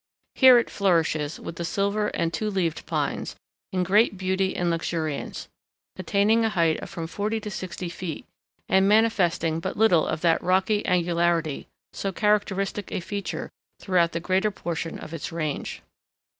Here it flourishes with the Silver and Two leaved Pines, in great beauty and luxuriance, attaining a height of from forty to sixty feet, and manifesting but little of that rocky angularity so characteristic a feature throughout the greater portion, of its range.